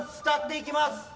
伝っていきます